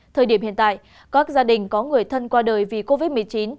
thời điểm hiện tại các gia đình có người thân qua đời vì covid một mươi chín